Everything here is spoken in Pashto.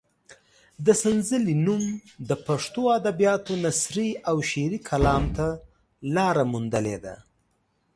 د سنځلې نوم د پښتو ادبیاتو نثري او شعري کلام ته لاره موندلې ده.